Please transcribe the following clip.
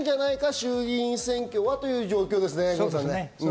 衆院選挙はということですね。